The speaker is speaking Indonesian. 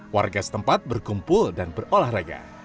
warga setempat berkumpul dan berolahraga